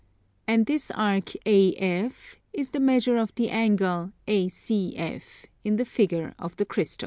And this arc AF is the measure of the angle ACF in the figure of the crystal.